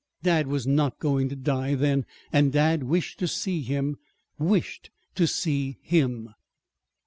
Dad was not going to die, then; and dad wished to see him wished to see him!